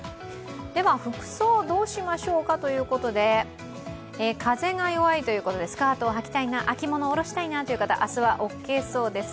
服装どうしましょうかということで風が弱いということでスカートをはきたいな、秋物をおろしたいなという方、明日はオーケーそうです。